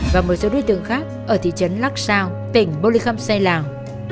và một số đối tượng khác ở thị trấn lắc sao tỉnh bô lê khâm xây lào